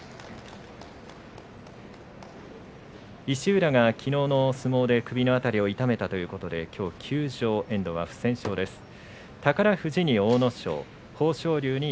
石浦がきのうの相撲で首の辺りを痛めたということできょう休場、遠藤、不戦勝です。